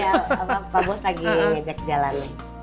iya pak bos lagi ajak jalan